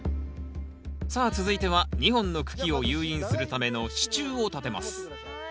さあ続いては２本の茎を誘引するための支柱を立てます